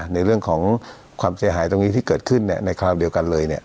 ในเรื่องของความเสียหายตรงนี้ที่เกิดขึ้นในคราวเดียวกันเลย